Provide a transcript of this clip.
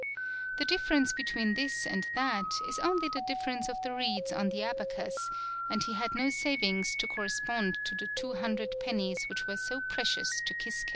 The difference between this and that is only the difference of the reeds on the abacus, and he had no savings to cor respond to the two hundred pennies which were so precious to Kisuke.